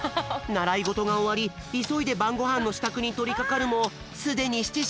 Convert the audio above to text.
ならいごとがおわりいそいでばんごはんのしたくにとりかかるもすでに７じをまわっている。